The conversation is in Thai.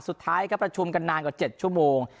สุดท้ายก็ประชุมกันนานกว่า๗ชั่วโมง